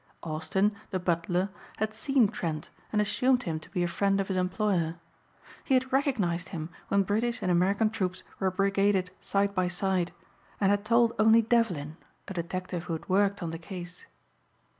Austin, the butler, had seen Trent and assumed him to be a friend of his employer. He had recognized him when British and American troops were brigaded side by side and had told only Devlin a detective who had worked on the case.